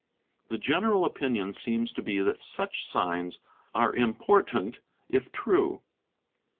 The general opinion seems to be that such signs are "important if true."